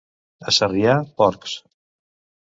A Sarrià, porcs.